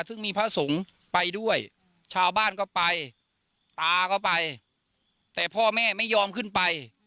ซึ่งมีพระสงฆ์ไปด้วยชาวบ้านก็ไปตาก็ไปแต่พ่อแม่ไม่ยอมขึ้นไป